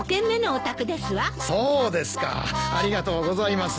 そうですかありがとうございます。